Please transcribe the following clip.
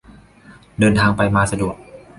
เดินทางไปมาสะดวก